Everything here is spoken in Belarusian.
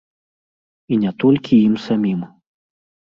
І не толькі ім самім.